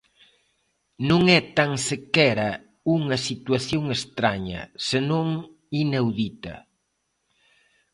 Non é tan sequera unha situación estraña, senón inaudita.